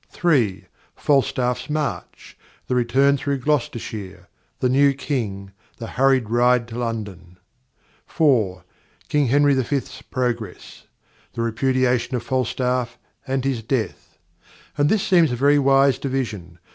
(3) Falstaff's March. The Return through Gloucestershire. The New King. The hurried Ride to London. (4) King Henry V.'s Progress. The Repudiation of Falstaff and his Death and this seems a very wise division.